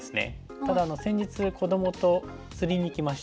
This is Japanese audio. ただ先日子どもと釣りに行きまして。